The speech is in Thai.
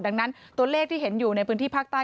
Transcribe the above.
ดังนั้นตัวเลขที่เห็นอยู่ในพื้นที่ภาคใต้